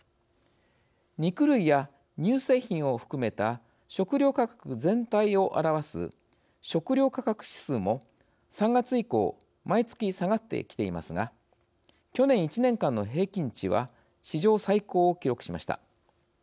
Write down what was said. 肉類や乳製品を含めた食料価格全体を表す食料価格指数も、３月以降毎月下がってきていますが去年１年間の平均値は史上最高を記録しました。